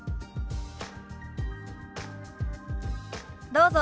どうぞ。